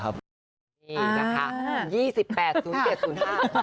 จะขับว่าอะไรคุณผู้ชม